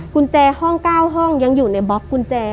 กุญแจห้อง๙ห้องยังอยู่ในบล็อกกุญแจ